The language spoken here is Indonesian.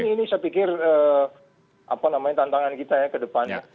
ini saya pikir tantangan kita ya ke depannya